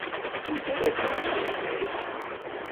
Ansi ara yi-d-yekk leslak?